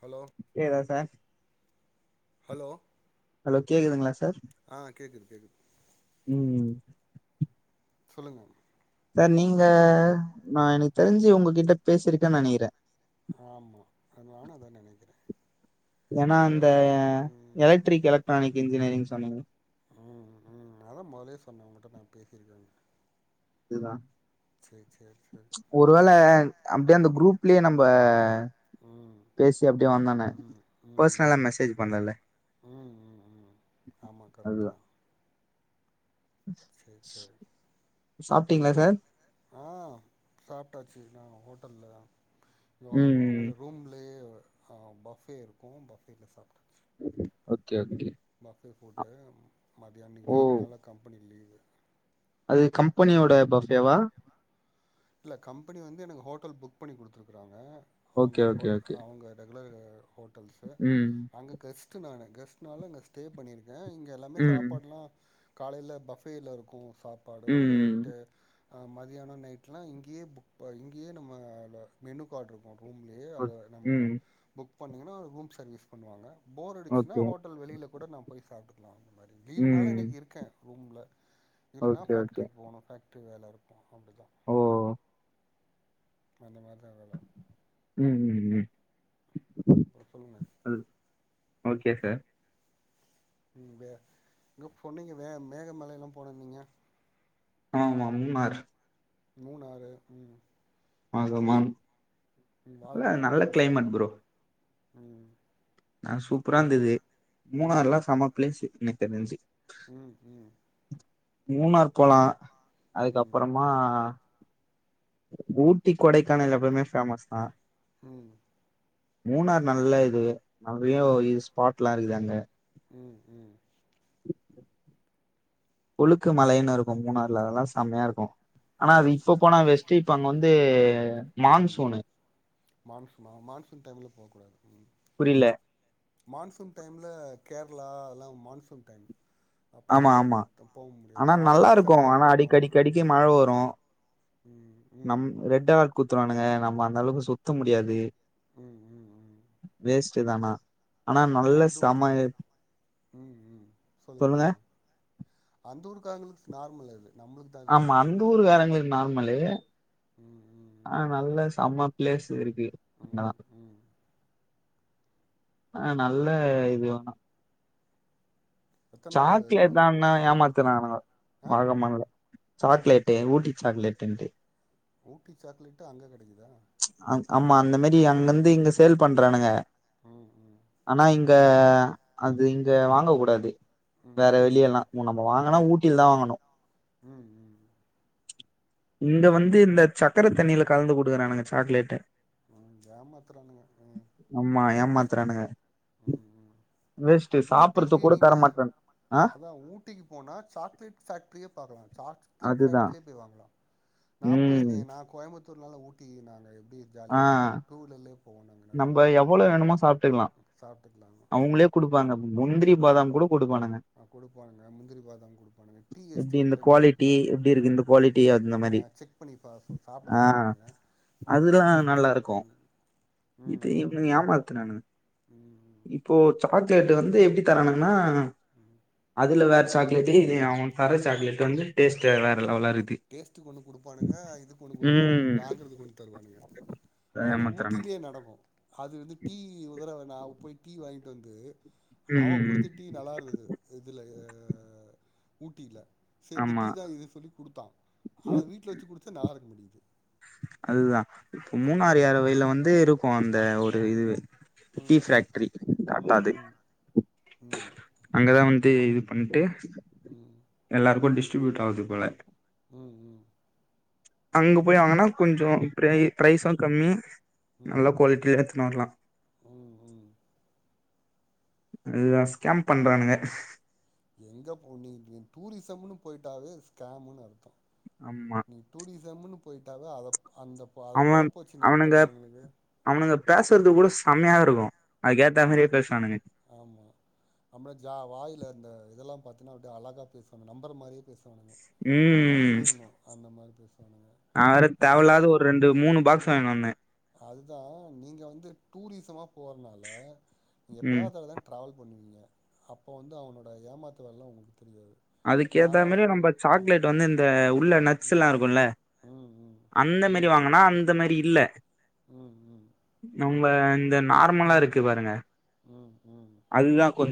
Hello ஏதா sir hello கேக்குதுங்களா sir ஆ கேக்குது கேக்குது ம்ம் சொல்லுங்க சார் நீங்க நா எனக்கு தெரிஞ்சு உங்ககிட்ட பேசிருக்கேனு நெனைக்கிறேன் ஆமா நானு அதா நெனைக்கிறே ஏன்னா மொத இந்த நா ம் எலக்ட்ரிக் எலக்ட்ரானிக் இன்ஜினியரிங் சொல்லுங்க ம் ம் அதா மோதலே சொன்னேன் உங்ககிட்ட நா பேசியிருக்கேன் இதுதா சேரி ஒருவேள அப்டியே அந்த குரூப்லயே நம்ம ம் ப பேசி அப்டியே வந்தானே ம் ம் பர்சனலா ம் மெசேஜ் பண்ணல்ல ம் ம் ம் ஆமா கரெக்ட் அதுதான் தா சேரி சேரி சாப்படீங்களா டூர்லா சார் ஆ சாப்டாச்சு நான ஹோட்டல்ல தான் [unintelligible] ம் அவங்கள ரூம்லயே ஆ பஃபே இருக்கோ பஃபேல சாப்டு ஓகே ஓகே பஃபே புட்டு மதியான ஓ லீவுனால கம்பெனி லீவு அது கம்பெனியோட பஃபேவா இல்ல கம்பெனி வந்து எனக்கு ஹோட்டல் புக் பண்ணி குடுத்துருக்கறாங்க ஓகே அவுங்க ஓகே ஹோட்டல் ஓகே அவுங்க [inaudible] [unintelligible] ம் அங்க கஸ்சிட்டு நானு கஸ்ட்னால நா ஸ்டே பண்ணிரு அ இங்கே எல்லாமே ம் சாப்படலாம் காலையில பஃபேல இருக்கும் சாப்பாடு ம் ம் ட்டு ஆ மதியானம் நைட் ந இங்கேயே புக் ப இங்கேயே நம்ம ல மெனு கார்ட் இருக்கும் உம் பண்ணிங்கன்னா ஒரு ரூம் சர்வீஸ் பண்ணுவாங்க போர் அடிச்சுன்னா ஓகே ஹோட்டல் வெளில கூடா போய் சாப்பிடு இந்த மாரி லீவ்னால ம் இன்னைக்கு இருக்கே ரூம்ல இல்லைன்னா ஓகே ஓகே ஃபேக்ட்ரிக்கு போகணோ ட்டு வேலை இருக்கும் அப் ஓ அந்த மாரி உம் உம் உம் பிரசல்லங்க [unintelligible] அது ஓகே சார் உம் வே இங்க பொன்னீங்க வே மேகமலைய எல்லா போனந்நீங்க ஆமா மூணார் மூணுாறு உம் ஆ சமான் அ நல்ல கிளைமேட் ப்ரோ உம் நான் சூப்பரா இருந்துது மூணாறு எல்லாம் சமப்லேசு சே என்னி [unintelligible] உம் உம் மூணார் போலா ம் அதுக்கப்பறமா ஊட்டி கொடைக்கானல் எப்பவுமே போமஸ் தான் உம் மூணார் நல்ல இது நவ்வோ இஸ்பாட் லாம் இருக்குதாங்க உம் உம் ஒழுக்கு மலையன்னு இருக்கு மூணுறுல அதெல்லா செம்மையா இருக்கு ஆனா அது இப்ப ம் போனா வெஸ்ட்டு இப்ப அங்க வந்து ஆ மான்சூனு மான்சூன மான்சூன் இன்டைம்ல போக கூடாது புரியல மான்சூன் டைம்ல கேரளா அதல்லாம் மான்சூன் டைம் அப்போ ஆமா கொஞ்சோ ஆமா த போ முடியாது ஆனா நல்லா ஆகஸ்ட் இருக்கும் ஆனா செப்டம்பர் மா அடிக்கி அடிக்கி அடிக்கி மழ வரும் ம் ம் ம் நம் ம் ரெட் அலர்ட் குடுத்துருவானுங்க நம்ம அந்த அளவுக்கு சுத்த முடியாது ம் ம் ம் வேஸ் ச்சதானா ஆனா நல்ல அந்த ஊர் சமய ம் ம் சொல்லுங்க அந்த ஊரு பக்கங்களுக்கு நார்மல் அது நம்மளுக்கு தான் அது ஆமா பெருசு அந்த இது ஊர் ஆ காரங்களுக்கு நார்மலு ம் ஆஹ் ம் நல்ல சம ப்ளஸ் சரிக்கு ம் நான் ம் ம் ஆஹ் நல்ல இது வேணா எத்தன நாள் சாக்லேட் தான்னா ஏமாத்துறானுங்க ஆ வாகமான்ல சாக்லேட்டு ஊட்டி சாக்லேட்ன்டு ஊட்டி சாக்லேட்டு அங்க கெடைக்குதா அஹ் ஆமா அந்த மாரி அங்கிருந்து இங்க சேல் பண்றானுங்க ம் ம் ஆனா இங்க ம் அது இத வாங்க கூடாது ம் வேற வெளிய ம் எல்லாம் நம்ம வாங்கனா ம் ம் ஊட்டில தான் வாங்கணும் ம் இங்க வந்து இந்த சக்கர தண்ணில கலந்து குடுக்கறானுங்க சாக்லேட்ட ம் ஏமாத்துறானுங்க ஆமா ஏமாத்துரானுங்க உம் உம் ஊட்டிக்கு கூட நீங்க தர மாட்றாங்க ஆ அதான் ஊட்டிக்கு போனா சாக்லேட் பேக்ட்ரியே பாக்கலாம் சாக்லேட் அதுதா பேக்ட்ரிலே போய் வாங்கலாம் நான் ம் போயிருக்கேன் நான் கோய் த்தூ ஊட்டி நாங்க ஜாலியா இதுல டூவீலர்ல நம்ம எவ்ளோ வேணுமோ சாப்ட்டுக்கலாம் சாப்டுகலாம் உம் பாதாம் கூட குடுப்பானுங்க கொடுப்பானுங்க முந்திரி பாதம் கொடுப்பானுங்க டீ எப்டி இந்த எஸ்டேட்ல டீ குவாலிட்டி எப்டி இருக்கு இந்த ஆமா குவாலிட்டி அந்த மாரி செக் பண்ணி சாப்ட ஆ சொல்லுவானுங்க அதுல்லா வாங்கிக்கலாம் நல்லா இருக்கு இது ஏமாத்துனானுங்க ம் இப்போ சாக்லேட் வந்து எப்டி தராணுங்கனா அதுல வேற சாக்லேட் இது அவன் தர சாக்லேட வந்து டேஸ்டா வேற லெவலா இருக்குது டேஸ்ட்டுக்கு ஒண்ணு கொடுப்பானுங்க இது கொண்ணு கொடுப்பானுங்க ம் வாங்குறதுக்கு ஒண்ணு தருவானுங்க அது ஏமாத்துறானுங்க ஊட்டிலே நடக்கும் அது வந்து டீ டீ உதரவன் நப்ப போய் டீ வாய்ப்பு வந்து ம் அவன் ம் ம் குடுத்த டீ நல்லா இருந்தது இதுல அஹ் ஊட்டில செ இந்த ஆமா டீ தான் இது சொல்லி குடுத்தான் அவ வீட்ல வச்சு கொடுத்த ந பா்கக்க முடியுது அதுதா இப்போ மூணாறு ஆறு வயில வந்து இருக்கும் அந்த ஒரு இதுவே டீ ம் பேக்ட்ரி அப்ப ம் அது ம் ம் அங்கதான் வந் அது இது பண்ணிட்டு ம் ம் எல்லாருக்கு டிஸ் டிஸ்ட்ரிபியூட் ஆகுது போலே உம் உம் அங்க போய் வாங்கன்னா கொஞ்சம் பைரை பைரைஸ்ம் கம்மி நல்ல ம் ம் குவாலிட்டில எத்தனும் வரலாம் ம் ம் அததான் ஸ்கேம் பண்றானுங்க எங்க போனாலும் டூரிசம்ன்னனு போயிட்டாவே ஸ்கேம்ன்னு அர்த்தம் நீ டூரிஸ் சம் போயிட்டே அத அந்த அத அவன பொழப்ப வச்சு அவனுங்க நடத்துறவங்களுக்கு அவனுங்க பேசுறது கூட செம்மையா இருக்கோ ஆமா அமா [inaudible] ஜா வாயில இருந் இதல்லா பா [inaudible] அப்படியடி அழகா பேசுவாங்க நம்பர மாதியே பேசு நீ நம்பிருணும் அந்த மாதிரி நாவேற தேவலாத ஒரு ரெண்டு மூணு பாக்ஸ் வாங்கனுவந்தேன் அதுதா நீங்க வந்து டுரிசமா போறனால நீங்க ம் எப்பாவதுடதா டிராவல் பண்ணுவீங்க அப்ப வந்து அவ உங்கள ஏமாத்துவ [inaudible] அதுக்கு ஏத்த மாரி நம்ம ம் சாக்லேட் வந்து இந்த உள்ள நட்ஸ் எல்லா ம் இருக்குல்ல ம் ம் அந்த மாரி ம் வாங்கனா அந்த மாரி இல்ல ம் ம் நம்ப இந்த நார்மலா இருக் கு பாருங்க உம் உம்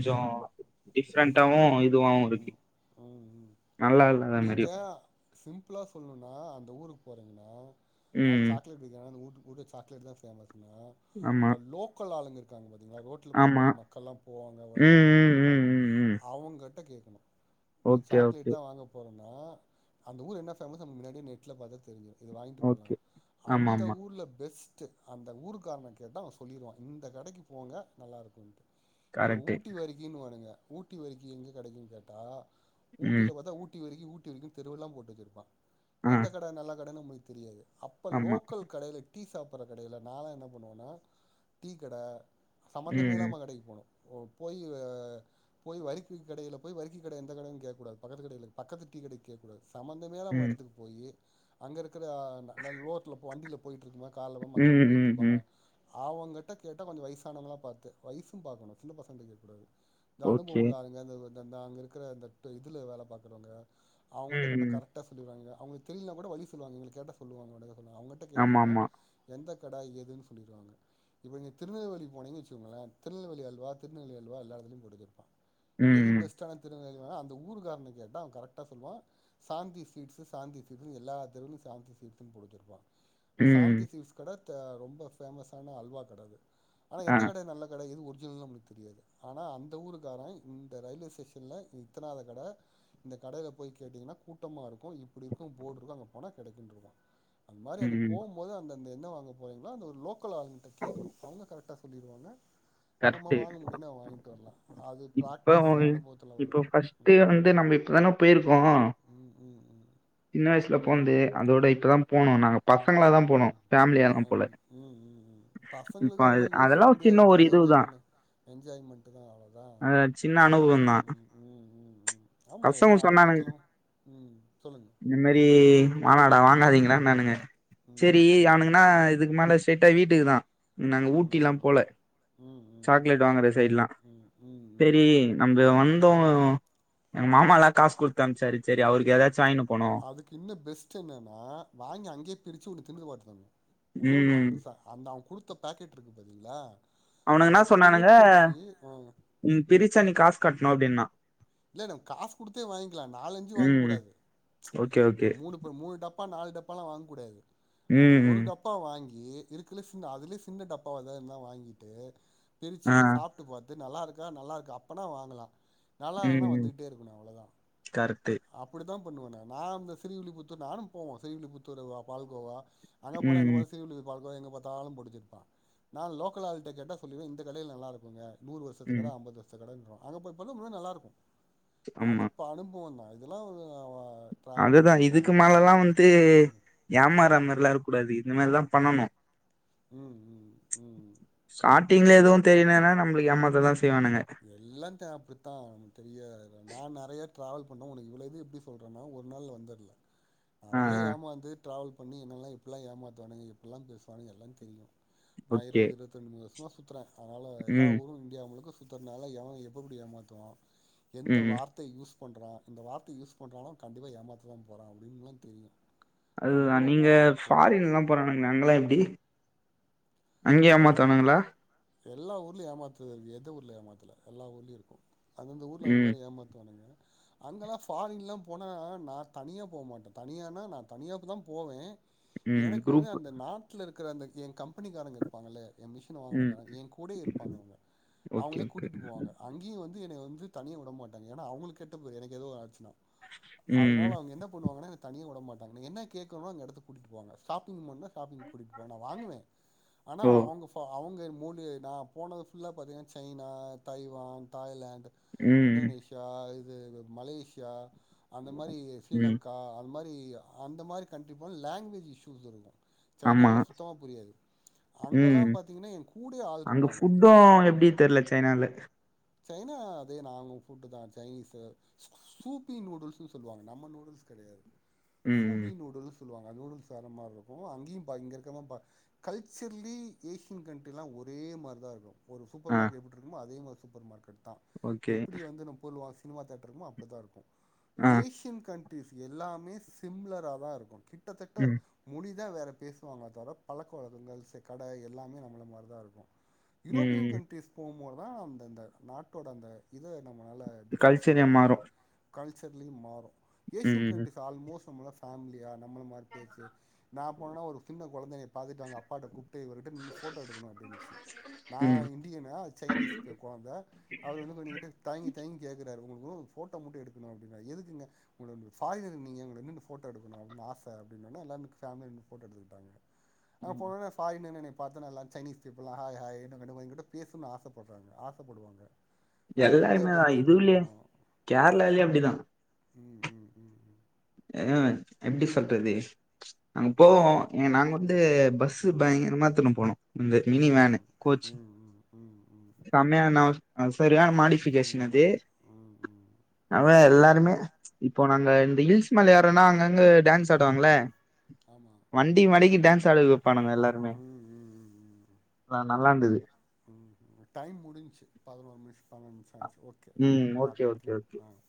ஜ டிஃப்ரெண்டாவு இதுவும் இருக்கு உம்-உம் நல்லா இல்லாத நீங்க மாரியு சிம்பிளா சொல்லுனா அந் ஊருக்கு போகிறங்கன்னா அவன் ம் சா்லேட் ஊ [unintelligible] ஊர்லே சாக்லேட் தான் ஃபேமஸ் ஹலோ ஆமா அந்த லோக்கல் ஆளுங்க இருக் தங்கது [unintelligible] ரோட்ல ஆமா போகும்போது மக்கள் எல்லாம் போவாங்க ம் வருவாங்க அந்த ம் ம் ஊருக்காரங்க ம் ம் அவுங்கட்ட கேக்கணும் நீ ஓகே சாக்லேட் ஓகே தான் வாங்க போற ஆஹ அந்த ஊர் என்ன ஃபேமஸ் முன்னாடியே நெட்ல பார்த்தா தெரியும் இது வாங்கிட்டு போகலா ஓகே ஆமா அந்த ஆமா ஊர்ல பெஸ்ட் ட் அந்த ஊருக்காரன கேட்டா அவன் சொல்லிருவான் இந்த கடைக்கு போங்க நல்லா இருக்கும் இத கரெக்ட்டு ஊட்டி வருக்கின்வானுங்க ஊட்டி வரிக்கும் எங்கே கிடைக்கும்னு கேட்டா ம் ஊட்டியில பார்த்தா ஊட்டி வருக்கி ஊட் டில இருக்கும் தெருவெல்லாம் போட்டு வச்சிருப்பான் ஆ எந்த கடை நல்ல கடைன்னு நம்ப தெரியாது அப்ப ஆமா லோக்கல் கடையில டீ சாப்பிடடுற கடையில நான் என்ன பண்ணுவோன்னா டீ கடை சம்பந்தமே ம் ம் இல்லாம கடைக்கு போனும் ஓ போய் ஆ போய் வரிக்கு கடையில போய் வரிக்கி கடை எந்த கடைனு கேக்ககூடாது பக்கத்து கடையில பக்கத்து டீடை கடையில கேக்ககூடாது சம்பந்தமே நம்ம ம் இடத்துக்கு போய் அங்க இருக்கிற நடுரோட்டுல வண்டியில போயிட்டு இருப்பேன் காலயில தான் மக்கள் ம் போயிட்டு ம் இருப்பாங்க ம் அவங்கிட்ட கேட்டா கொஞ்சம் வயசானவங்களல்லா பார்த்து வயசும் பார்க்கணும் சின்ன பசங்கள்ட்ட கேட்கக்கூடாது இந்த அனுபவம் ஓகே உள்ள ஆளுங்க இந் ந்தா அங்க இருக்கிற அந்த இதுல வேலை பார்க்குறவுங்க அவுங்க கிட்ட ம் கேட்டா ம் கரெக்டா சொல்லிடுவாங்க அவுங்க தெரியிலான கூட வழி சொல்லுவாங்க இவுங்கள கேட்டா சொல்லுவாங்க சொல்ல அவுங்கிட்ட ஆமா கேட்டீங்கன்னா ஆமா எந்த கடாய் எதுன்னு சொல்லிடுவாங்க இப்ப நீங்க திருநெல்வேலி போனீங்கனு வச்சுக்கோங்களேன் திருநெல்வேலி அல்வா திருநெல்வேலி அல்வா எல்லா இடத்துளையும் கிடைக் ம் எது ம் பெஸ்டான திருநெல் அந்த ஊர் காரன கேட்டா கரெக்டா சொல்லுவான் சாந்தி ஸ்வீட்ஸ் சாந்தி ஸ்வீட்ஸ்னு எல்லா தெருவுளையும் சாந்தி ஸ்வீட்ஸ்னு போட்டு வச்சு இருப்பான் இந்த ம் சாந்தி ஸ்வீட்ஸ் கடை ரொம்ப ஃபேமஸான அல்வா கட அது ஆனா ஆ எந்த கட நல்ல கட எது ஒர் ங்குறது நமக்கு தெரியாது ஆனா அந்த ஊருக்கு காரன் இந்த ரயில்வே ஸ்டேஷன்ல இத்தனாத கட இந்த கடல போய் கேட்டீங்கன்னா கூட்டமா இருக்கும் இப்படி இருக்கும் போர்டு இருக்கும் அந்த போன கிடைக்குன்றுவா அந்த மாதிரி ம் அங்க ம் போகும்போது அந்த என்ன வாங்க போறீங்களோ அந்த ஒரு லோக்க லோக்கல் ஆளுங்கல்ட்ட கேக்கணும் அவங்க கரெக்ட சொல்லிடுவாங்க நம்ம கரெக்ட்டு வாங்க முடியும்ன வாங்கிட்டு வரலாம் இப்ப இப்ப ஃபர்ஸ்ட் ம் வந்து நம்ம இப்பதானே போயிரு போம் ம் ம் ம் சின்ன வயசுல போனது அதோட இப்பதா போனோம் நாங் உம் உம் உம் உம் இப்ப பசங்களுக்கு அது அதெல்லாம் அதெல்லா யோசிக்க ஒரு சின்ன முடியாது ஒரு ஜாலியா இதுதா என்ஜாய்பண்னு ஜாய்மெண்ட் தான் அவ்ளவுதான் அ சின்ன அனுபவந்தா உம் உம் உம் ஆமா பசங்க எல்லா சொன்னானுங்க அனுபவத்திலும் உம் சொல்லுங்க ங்களா நானு ம் செரி ம் அவனுக்குன்னா இதுக்கு மேல ஸய்டா வீட்டு க்குதான் நாங்க ம் ஊட்டி எல்லா ம் போல ம் ம் சாக்லேட் வாங்குற சைடுலாம் ம் ம் ம் பெரி நம்ம வந்தோ எங்க மாமா தா காசு கொடுத்த அனுச்சுசு அதுக்கு இன்னு பெஸ்ட் என்னன்னா வாங்கி அங்கேயே பிரிச்சு ஒண்ணு தின்னு பாத்துகணும் ஒன்னே ஒண்ணு ம் வாங்கினும் சார் அந்த குடுத்த பேக்கெட் இருக்கு பாத்திங்களா அவனுங்க என்ன சொன்னானுங்க உ பிரிச்சா நி காசு கட்டணும் அப்படின்னா இல்ல நம்ம காசு குடுத்தே வாங்கிகலாம் நாலஞ்சு ம் வாங்ககூடாது ஓகே நீ ஓகே மூணு பெ மூனு டப்பா நாலு டப்பாலா வாங்ககூடாது அந்த ம் ஒரு ம் டப்பா வாங்கி ஏ இருக்குல சின்ன அதுலயே சின்ன டப்பாவ ஏதாது இருந்தா வாங்கிட்டு பிரிச்சு ஆ சாப்பிட்டு பா இது நல்லா இருக்கா நல்லா இருக்க அப்பனா வாங்கலாம் நல்லாலனா ம், ம். வந்துக்கிட்டே இருக்கணும் அவ்வளோதான் கரெக்ட்டு. அப்படி தான் பண்ணுவேனே நான் இந்த ஸ்ரீவில்லிபுத்தூர் நானும் போவோன் ஸ்ரீவில்லிப்புத்தூர் பால்கோவா அங்க போனா எங்க ம், பா ஸ்ரீவில்லி பால்கோவா எங்க பத்தலும் படிச்சிருப்பான் நான் லோக்கல்ஆள்கிட்ட கேட்ட சொல்லன் இந்த கடையில் நல்லா இருக்குங்க நூறு வருஷத்து கட ம். ஐம்பது வருத்து கடன்றிறான் அங்க போய் பண்ணும் போது நல்லார்க்கும் அது ஆமா. அனுபவம்தா ல்லா ஒரு டிராவல் அதுதான் பண்ற இதுக்கு மேல அனுபவங்கள் எல்லாம் வந்து ஏமாறமாரிலாம் இரு கூடாது இந்த மாரிதாம் பண்ணனும் உம் உம் உம் டிங்கள எதுவும் தெரியிலனா நம்மளுக்கு ஏமாத்த தான் செய் எல்லாம் அப்படித்தா தெரியா நான் நிறைய டிராவல் பண்ண உனக்கு இவ்வளவுது எப்படி சொல்றேன்னா ஒரு நாள் வந்துடுல ஆ, நெறைய ஆ. ஏமாந்து ட்ராவல் பண்ணினெல்லாம் இப்டியெல்லாம் ஏமாத்துவானாங்க இப்படெல்லாம் பேசுவானுங்க எல்லாம் தெரியும் நா ஓகே. இருபத்தி இருபத்தி ஒன்பது வருஷோ ஊர் சுத்துறேன் அதனால எல்லா ம், ஊரும் இந்தியா முழுக்க சுத்துறது நால எவன் எப்பப்படி ஏமாத்துவான் எந்த ம். வார்த்தை யூஸ் பண்றான் இந்த வார்த்த யூஸ் பண்றாலும் கண்டிப்பா ஏமாத்தத்தான் போறான் அப்படின்னுலாம் தெரியும் அதுதான் நீங்க ஃபாரின் எல்லாம் போறானங்காங்களாம் எப்படி அங்க எல்லா ஊர்லயும் ஏமாத்துறது இருக்கு எந்த ஊர்ல எல்லா ஊலயும் இருக்கும் அந்தந்த ஊர்ல அந்த ம், மாரி ஏமாத்துவானுங்க அங்கெல்லாம் ஃபாரின்லாம போனா நான் தனியா போமாட்டேன் தனியானா நான் தனியா தான் போவேன் ம். எனக்கு வந்து குரூப் அந்த நாட்டுல இருக்க அந்த என் கம்பெனிக்காரங்க இல்ல என் மிஷ ம். வாங்கினக்க என் கூட இருப்பாங்க அவங்க ஓகே, அவங்களே ஓகே. கூட்டிட்டு போவாங்க அங்கேயும் வந்து எனைய வந்து தனியா விடமாட்டாங்க ஏனா அவங்களுக்கு கேட்ட போரு எனக்கு ஏதோ ஒன்னு ஆச்சுனா அதனால ம். அவங்க என்ன பண்ணுவாங்கன்னா தனிய விடமாட் என்ன கேட்கணும் அங்க அடுத்து கூட்டிட்டு போங்க ஷாப்பிங் பண்ண ஷாப்பிங் கூட்டிட்டு போன நான் வாங்குவேன் தா ஓ! அவங்க ஃப்பா அவங்க என் மூடி நா போனது ஃபுல்லா பார்த்தீங்கன்னா சைனா தைவான் தாய்லாந் ம், ம். இந்டோனேஷியா இ இது இது மலேசியா அந்த மாரி ம். ஸ்ரீலங்கா அது மாரி அந்த மாரி கண்ட்ரி போனாலாங்க்வேஜ் இஸ்யூஸ் இருக்கும் சைனால்லாம் சுத்தமா புரியாது உம் அங்கெல்லாம் பாத்தீங்கன்னா என் கூடயே ஆள் அங்க இருப்பாங்க. ஃபுட்டும் எப்படி தெரில சைனால [inaudible] சைனா அதே நார்மல் புட்டு தான் சைனீஸ் சூப்பி நூடுல்ஸ்ன்னு சொல்லுவாங்க நம்ம நூடுல்ஸ் கிடையாது ம், சூபி ம். நூடுல்ஸ் சொல்லுவாங்க ந நூடுல்ஸ் வேற மாரி இருக்கும் அங்கேயும் பா இங்கே இருக்கிறத கல்ச்சரலி ஏஷியன் கண்ட்ரிலாம் ஒரே மாரி தான் இருக்கும் ஒரு சூப்பர் ஆ, மார்க்கெட் எப்டி இருக்குமோ அதே மார் சூப்பர் மார்க் கெட் தான் ஓகே. எப்டி வந்து நம் பொருள் வாசி சினிமா தியேட்டரும் அப்டி தான் இருக்கும் ஆ, ஏஷியன் கண்ட் டிஷ் எல்லாமே சிம்ளரா தான் இருக்கும் கிட் கிட்டத்தட்ட ம். முடி இதான் வேற பேசுவாங்க தவிர பழக்கவழக்கங்கள் செ கடை எல்லாமே நம்மள மாரிதான் இருக்கும் யூரோப்பியன் ம். கண்ட்ரிஸ் போம்மோ வாம் இந்த நாட்டோடந்த இது நம்மளால கல்ச்சரே டிபரன்சியேட் பண்ண மாறும். முடியும் கல்ச் ச்சர்லி மாறும் ஏசியன் ம். கண்ட்ரிஸ் ஆல்மோஸ்ட் மள பேமிலியா நம்மள மாதிரி பேச்சு நான் போனனா ஒரு சின்ன குழந்த என்னைய பார்த்துட்டு அங்க அப்பாட்ட கூப்டு இவர்கிட்ட நின்னு ஃபோட்டோ எடுக்கணும் அப்படின்னுச்சு ம். நான் இந்தியணு அது சைனீஸ் வந்தார் அவர் வந்து சொன்னிக்கிட்டு தயங்கி தயங்கி கேட்க சார் உங்க கூட நின்னு போட்டோ மட்டும் எடுக்கணும் அப்டின்னாரு எதுக்குங்க உங்கள ஃபாரினர் நீங்க நின்னு போட்டோ எடுக்கணும் அப்படின் ஆச அப்படின்நோனே எல்லாரும் ஃபேமிலியா நின்னு போட்டோ எடுத்துக்கிட்டாங்க அங்க போனேன் ஃபாரினர் என்ன நி பாத்தோன எல்லாம் சைனீஸ் பீப்பிலா ஹா ஹாய் ஹாய் [unintelligible] என்கூட பேசும்னு ஆசைப்பட் [inaudible] ஆசப்படுவாங்க எல்லாருமே தான் இதும் இல்லையே கேரளால்லே அப்டிதான் உம் உம் உம் உம் ஆஹ் எப்டி சொல்றது அங்க போவோம் ஏ நாங்க வந்து ம் ம் பஸ் பயங்கரமாத்துன்னு போனோம் இந்த ம் ம் ம் மினி வேனு கோச் ம் ம் ம் சமையான ஆஹ் செ ன மாடிபிகேஷன் இது ம் ம் ம் அவ எல்லார் மே இப்போ நாங்க இந்த ஈல்ஸ் மலையாரம்னா அங்கங்க டான்ஸ் ஆடுவாங்கள ம் ஆமாம் வண்டி மடக்கி டான்ஸ் ஆடு போனோம் எல்லாருமே ம் வேன் நல்லாந்துது உம் டைம் முடிஞ்ச்சு பதினோரு நிமி பலநிமிஷமாச்சு ஓகே ம் ஓகே, பாக்கலாம் ஓகே, திர ஓகே. ஆஹ்